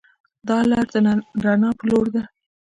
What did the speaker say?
دا لار د رڼا پر لور ده.